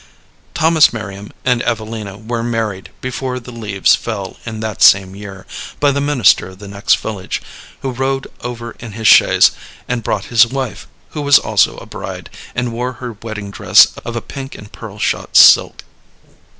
Thomas Merriam and Evelina were married before the leaves fell in that same year, by the minister of the next village, who rode over in his chaise, and brought his wife, who was also a bride, and wore her wedding dress of a pink and pearl shot silk.